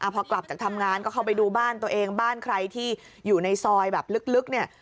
พอกลับจากทำงานก็เข้าไปดูบ้านตัวเองบ้านใครที่อยู่ในซอยแบบลึกเนี่ย